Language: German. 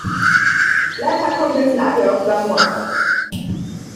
Blatter Complex" in Apia auf Samoa statt.